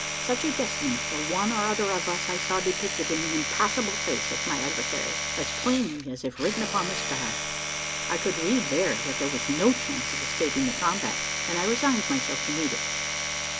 Such a destiny, for one or other of us, I saw depicted in the impassible face of my adversary as plainly as if written upon the sky. I could read there, that there was no chance of escaping the combat; and I resigned myself to meet it.